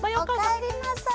おかえりなさい。